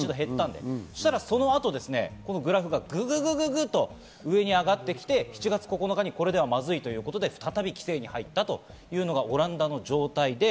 そしたらその後、グラフがぐぐぐぐぐっと上がって７月９日に、これではまずいということで再び規制に入ったというのがオランダの状態です。